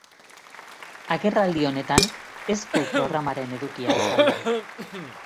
Agerraldi honetan ez du programaren edukia azaldu.